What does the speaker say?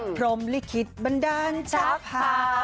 พรมลิขิตบันดาลจักร